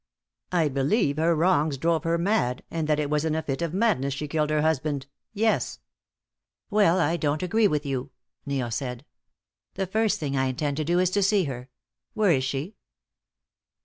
"I believe her wrongs drove her mad, and that it was in a fit of madness she killed her husband. Yes." "Well, I don't agree with you," Neil said. "The first thing I intend to do is to see her. Where is she?"